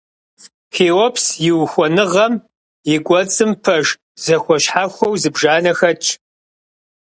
Хеопс и ухуэныгъэм и кӀуэцӀым пэш зэхуэщхьэхуэу зыбжанэ хэтщ.